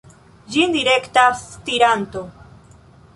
Ĝin direktas stiranto.